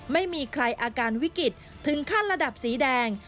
ไม่มีใครอาการวิกฤตถึงขั้นระดับสีแดง